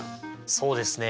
そうですね。